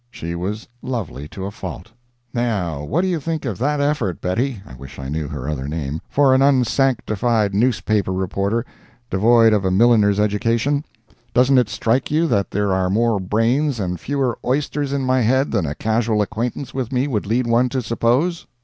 She was lovely to a fault. Now, what do you think of that effort, Bettie (I wish I knew your other name) for an unsanctified newspaper reporter, devoid of a milliner's education? Doesn't it strike you that there are more brains and fewer oysters in my head than a casual acquaintance with me would lead one to suppose?